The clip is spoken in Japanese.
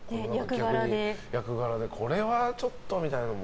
役柄でこれはちょっとみたいなのも？